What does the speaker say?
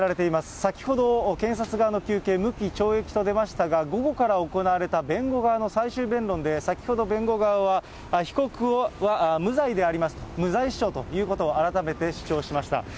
先ほど、検察側の求刑、無期懲役と出ましたが、午後から行われた弁護側の最終弁論で、先ほど、弁護側は被告は無罪でありますと、無罪主張ということを改めて主張しました。